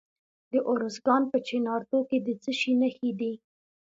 د ارزګان په چنارتو کې د څه شي نښې دي؟